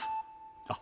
あっ。